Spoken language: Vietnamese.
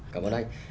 cảm ơn anh